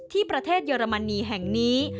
ที่ประเทศเยอรมนีแห่งนี้